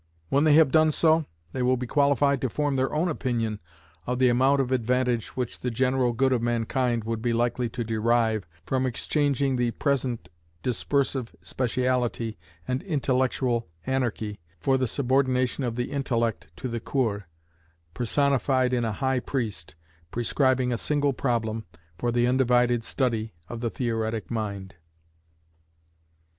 When they have done so, they will be qualified to form their own opinion of the amount of advantage which the general good of mankind would be likely to derive, from exchanging the present "dispersive speciality" and "intellectual anarchy" for the subordination of the intellect to the coeur, personified in a High Priest, prescribing a single problem for the undivided study of the theoretic mind.